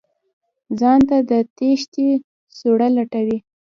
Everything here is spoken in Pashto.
ځان ته د تېښتې سوړه لټوي.